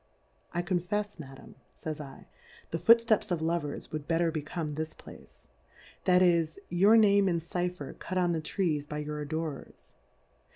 I confefs, Madam, fays /, the Foot fteps of Lovers would better become tliis Place ; that is, your Name and Cy pher cut on the Trees by your Adorers.'